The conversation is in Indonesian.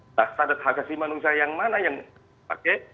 nah standar hak jati manusia yang mana yang pakai